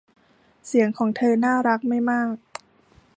เสียงของเธอน่ารักไม่มาก